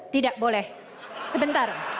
tidak boleh sebentar